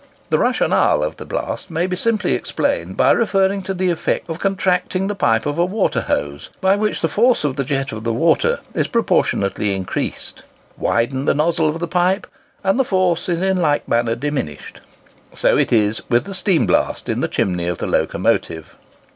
The rationale of the blast may be simply explained by referring to the effect of contracting the pipe of a water hose, by which the force of the jet of water is proportionately increased. Widen the nozzle of the pipe, and the force is in like manner diminished. So is it with the steam blast in the chimney of the locomotive.